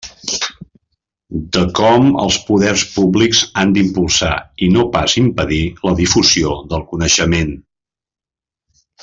De com els poders públics han d'impulsar i no pas impedir la difusió del coneixement.